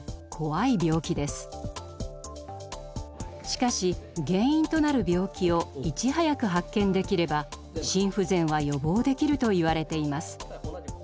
しかし原因となる病気をいち早く発見できれば心不全は予防できるといわれています。